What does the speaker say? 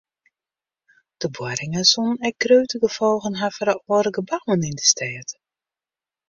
De boarringen soene ek grutte gefolgen ha foar de âlde gebouwen yn de stêd.